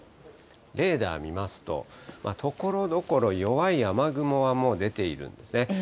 レーダー見ますと、ところどころ、弱い雨雲がもう出ているんですね。